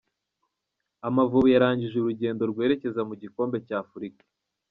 Amavubi yarangije urugendo rwerekeza mu gikombe cya Afurika